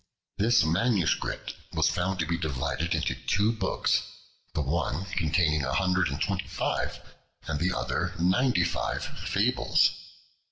This MS. was found to be divided into two books, the one containing a hundred and twenty five, and the other ninety five fables.